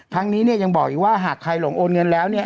ทั้งนี้เนี่ยยังบอกอีกว่าหากใครหลงโอนเงินแล้วเนี่ย